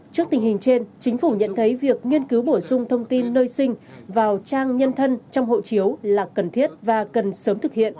trước tình hình trên chính phủ nhận thấy việc nghiên cứu bổ sung thông tin nơi sinh vào trang nhân thân trong hộ chiếu là cần thiết và cần sớm thực hiện